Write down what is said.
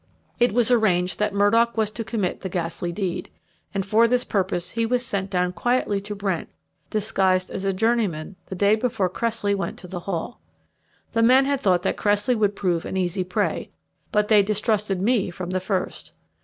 It was arranged that Murdock was to commit the ghastly deed, and for this purpose he was sent down quietly to Brent disguised as a journeyman the day before Cressley went to the Hall. The men had thought that Cressley would prove an easy prey, but they distrusted me from the first.